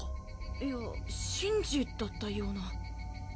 いやシンジだったような。